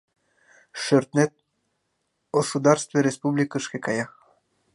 Шӧртнет осударстве республикышке кая.